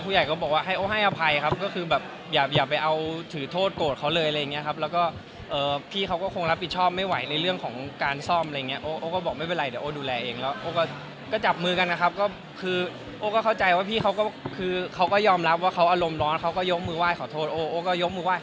ก็บอกว่าให้โอ้ให้อภัยครับก็คือแบบอย่าไปเอาถือโทษโกรธเขาเลยอะไรอย่างเงี้ยครับแล้วก็พี่เขาก็คงรับผิดชอบไม่ไหวในเรื่องของการซ่อมอะไรอย่างเงี้โอ้ก็บอกไม่เป็นไรเดี๋ยวโอ้ดูแลเองแล้วโอ้ก็จับมือกันนะครับก็คือโอ้ก็เข้าใจว่าพี่เขาก็คือเขาก็ยอมรับว่าเขาอารมณ์ร้อนเขาก็ยกมือไห้ขอโทษโอ้โอ้ก็ยกมือไห้